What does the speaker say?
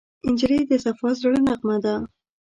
نجلۍ د صفا زړه نغمه ده.